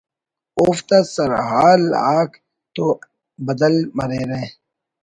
اوفتا سرحال آک تو بدل مریرہ